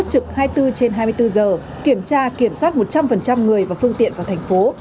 trực hai mươi bốn trên hai mươi bốn giờ kiểm tra kiểm soát một trăm linh người và phương tiện vào thành phố